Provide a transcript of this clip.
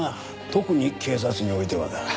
特に警察においてはだ。